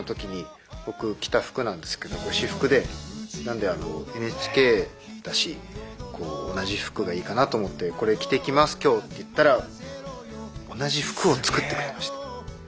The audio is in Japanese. これ私服でなんであのＮＨＫだし同じ服がいいかなと思って「これ着てきます今日」って言ったら同じ服を作ってくれました。